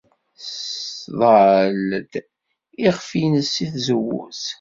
Tesḍall-d iɣef-nnes seg tzewwut.